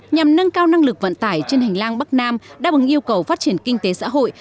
nhằm nâng cao năng lực vận tải trên hành lang bắc nam đáp ứng yêu cầu phát triển kinh tế xã hội